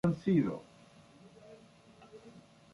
Siempre lo han sido.